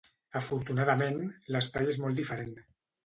Afortunadament, l'espai és molt diferent.